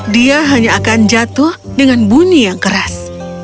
dia hanya akan jatuh dengan bunyi yang keras